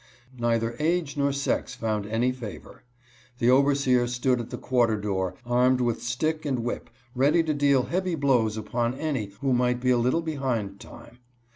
Neither age nor sex found any favor. The overseer stood at the quarter door, armed with stick and whip, ready to deal heavy blows upon any who might be a little behind time.